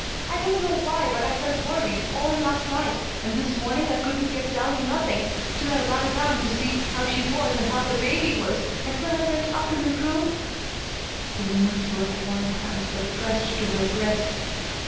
I don't know why, but I felt worried all last night, and this morning I couldn't get down to nothing 'til I ran around to see how she was and how the baby was, and when I went up in her room " The woman's work worn hands were pressed to her breast.